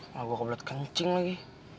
wah gue kebelet kencing lagi